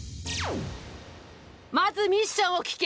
まずミッションを聞け！